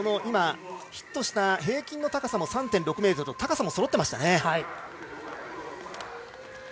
ヒットした平均の高さも３．６ｍと高さもそろっていました。